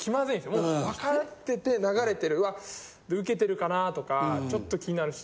もうわかってて流れてるうわウケてるかなとかちょっと気になるし。